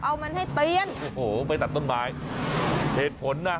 เอามันให้เตี้ยนโอ้โหไปตัดต้นไม้เหตุผลน่ะ